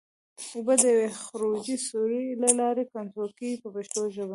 اوبه د یوې خروجي سوري له لارې کنټرول کېږي په پښتو ژبه.